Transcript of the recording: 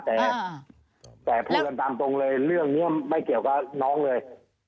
แต่พูดกันตามตรงเลยเรื่องนี้ไม่เกี่ยวกับน้องเลย